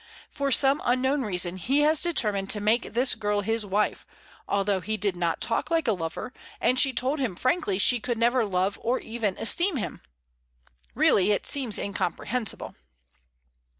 For some unknown reason he has determined to make this girl his wife, although he did not talk like a lover, and she told him frankly she could never love or even esteem him. Really, it seems incomprehensible."